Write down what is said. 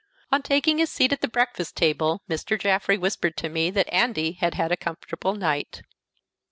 On taking his seat at the breakfast table, Mr. Jaffrey whispered to me that Andy had had a comfortable night.